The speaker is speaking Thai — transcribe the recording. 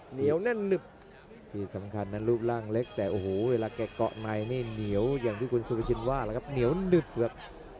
เหนียวแน่นหนึบที่สำคัญนั้นรูปร่างเล็กแต่โอ้โหเวลาแกเกาะในนี่เหนียวอย่างที่คุณสุภาชินว่าแล้วครับเหนียวหนึบครับ